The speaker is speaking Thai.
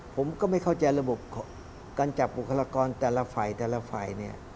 ผมก็ไม่เข้าใจระบบการจับบุคลากรแต่ละฝ่ายแต่ละฝ่ายเนี่ย